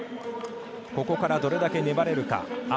ここからどれだけ粘れるか。